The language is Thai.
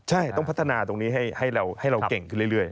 ใช่ต้องพัฒนาตรงนี้ให้เราเก่งขึ้นเรื่อย